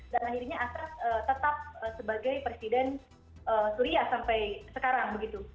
dan akhirnya assad tetap sebagai presiden suria sampai sekarang begitu